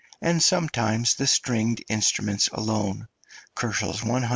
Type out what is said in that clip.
and sometimes the stringed instruments alone (100, 250, K.).